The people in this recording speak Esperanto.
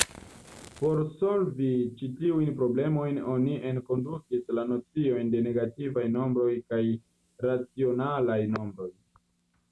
Por solvi ĉi-tiujn problemojn oni enkondukis la nociojn de negativaj nombroj kaj racionalaj nombroj.